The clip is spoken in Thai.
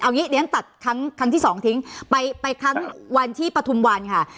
อย่างนี้เดี๋ยวฉันตัดครั้งที่สองทิ้งไปครั้งวันที่ปฐุมวันค่ะ